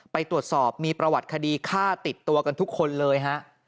ไปตรวจสอบมีประวัติคดีฆ่าติดตัวกันทุกคนเลยฮะ